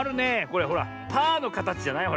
これほらパーのかたちじゃない？